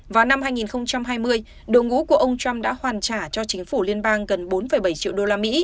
vào năm hai nghìn hai mươi đội ngũ của ông trump đã hoàn trả cho chính phủ liên bang gần bốn bảy triệu đô la mỹ